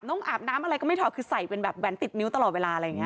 น้องอาบน้ำอะไรก็ไม่ถอดคือใส่เป็นแบบแหวนติดนิ้วตลอดเวลาอะไรอย่างนี้